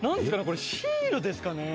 これシールですかね？